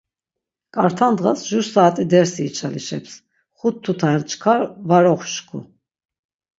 K̆arta ndğas jur saat̆i dersi içalişeps, xut tutaren çkar var oxuşku.